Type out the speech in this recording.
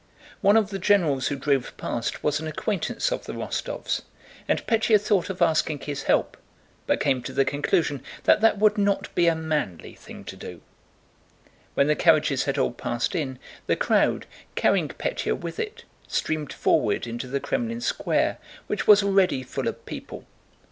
One of the generals who drove past was an acquaintance of the Rostóvs', and Pétya thought of asking his help, but came to the conclusion that that would not be a manly thing to do. When the carriages had all passed in, the crowd, carrying Pétya with it, streamed forward into the Krémlin Square which was already full of people.